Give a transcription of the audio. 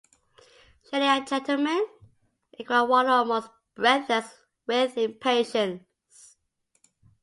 ‘Lady and gentleman?’ inquired Wardle, almost breathless with impatience.